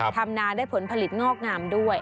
ทำนาได้ผลผลิตงอกงามด้วย